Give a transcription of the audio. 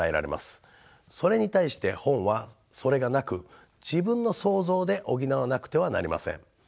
それに対して本はそれがなく自分の想像で補わなくてはなりません。